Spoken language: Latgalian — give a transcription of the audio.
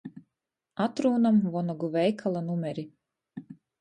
Atrūnam Vonogu veikala numeri.